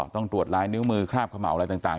ต้องตรวจลายนิ้วมือคราบเขม่าวอะไรต่าง